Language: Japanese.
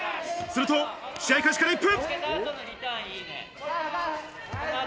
すると試合開始から１分。